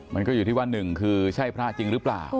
มันก็อยู่ที่ว่าหนึ่งคือใช่พระจริงหรือเปล่า